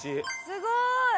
すごーい！